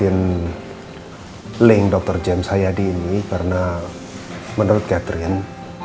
saya ingin link dr james hayadi ini karena menurut catherine